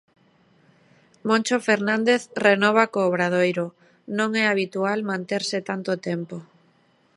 Moncho Fernández renova co Obradoiro Non é habitual manterse tanto tempo.